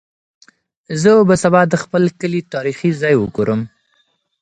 زه به سبا د خپل کلي تاریخي ځای وګورم.